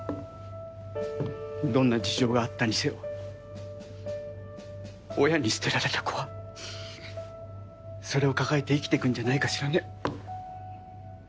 どんな事情があったにせよ親に捨てられた子はそれを抱えて生きていくんじゃないかしらね。